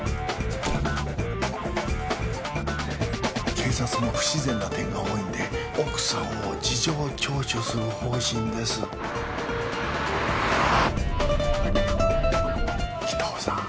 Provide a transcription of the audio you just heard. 警察も不自然な点が多いんで奥さんを事情聴取する方針です北尾さん